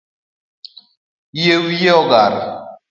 Yie wiyi ogar